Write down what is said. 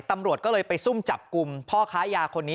ตำรวจก็เลยไปซุ่มจับกลุ่มพ่อค้ายาคนนี้